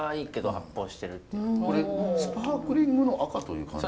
これスパークリングの赤という感じ。